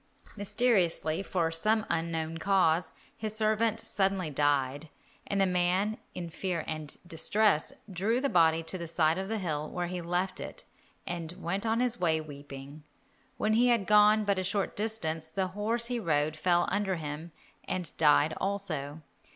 Mysteriously, from some unknown cause, his servant suddenly died, and the man, in fear and distress, drew the body to the side of the hill, where he left it and went on his way weeping. When he had gone but a short distance, the horse he rode fell under him and died also.